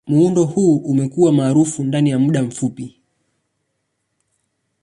Muundo huu umekuwa maarufu ndani ya muda mfupi.